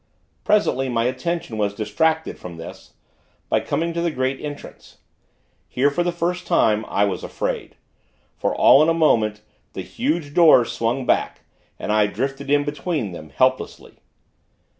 Presently, my attention was distracted from this, by coming to the great entrance. Here, for the first time, I was afraid; for, all in a moment, the huge doors swung back, and I drifted in between them, helplessly.